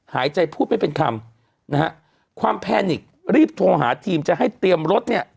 หายใจพูดไม่เป็นคำนะฮะความแพนิกรีบโทรหาทีมจะให้เตรียมรถเนี่ย